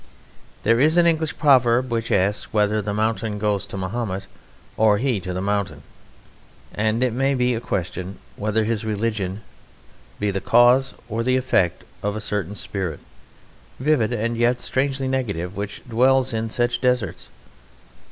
There is an English proverb which asks whether the mountain goes to Mahomet or he to the mountain, and it may be a question whether his religion be the cause or the effect of a certain spirit, vivid and yet strangely negative, which dwells in such deserts.